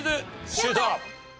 シュート！